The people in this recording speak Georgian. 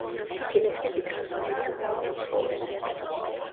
მისი ლექსები თარგმნილია მრავალ უცხოურ ენაზე.